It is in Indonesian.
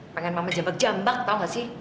pengen mama jambak jambak tau nggak sih